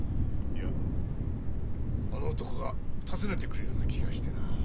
いやあの男が訪ねてくるような気がしてな。